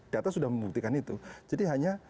data sudah membuktikan itu jadi hanya